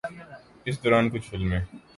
اس دوران کچھ فلمیں